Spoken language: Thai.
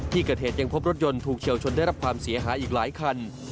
ที่เกิดเหตุยังพบรถยนต์ถูกเฉียวชนได้รับความเสียหายอีกหลายคัน